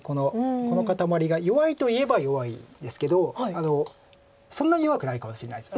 この固まりが弱いといえば弱いんですけどそんなに弱くないかもしれないです。